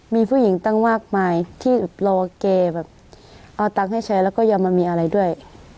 มีผู้หญิงตั้งมากมายที่รอแกแบบเอาตังค์ให้ใช้แล้วก็อย่ามามีอะไรด้วย